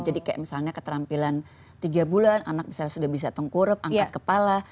jadi kayak misalnya keterampilan tiga bulan anak misalnya sudah bisa tengkurup angkat kepala